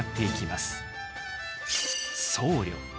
僧侶。